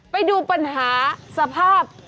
ไปดูปัญหาสภาพ